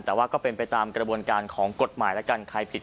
แต่ว่าก็เป็นไปตามกระบวนการของกฎหมายแล้วกันใครผิด